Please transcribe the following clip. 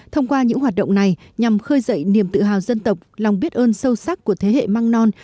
thông qua những hoạt động này nhằm khơi dậy niềm tự hào dân tộc lòng biết ơn sâu sắc của thế hệ măng non